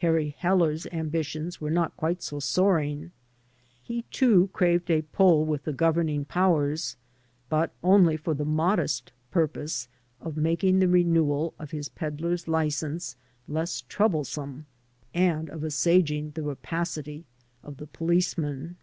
Harry Heller's ambitions were not quite so soaring. He, too, craved a pull with the governing powers, but only for the modest purpose of making the renewal of his peddler's license less trouble some and of assuaging the rapacity of the policeman.